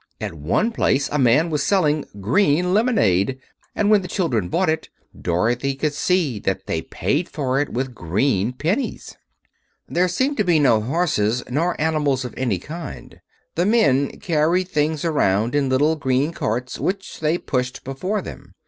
At one place a man was selling green lemonade, and when the children bought it Dorothy could see that they paid for it with green pennies. There seemed to be no horses nor animals of any kind; the men carried things around in little green carts, which they pushed before them.